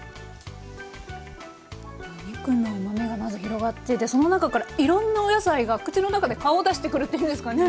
お肉のうまみがまず広がっていてその中からいろんなお野菜が口の中で顔を出してくるっていうんですかね。